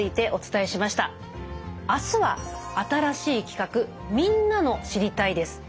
明日は新しい企画「みんなの『知りたい！』」です。